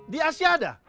di asia ada